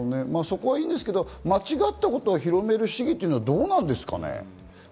そこはいいんですけど、間違ったことを広める市議ってどうなんですかね？